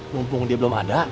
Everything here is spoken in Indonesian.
mumpung dia belum ada